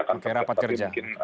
oke rapat kerja